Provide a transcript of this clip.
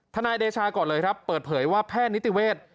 นายเดชาก่อนเลยครับเปิดเผยว่าแพทย์นิติเวทย์